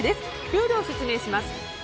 ルールを説明します。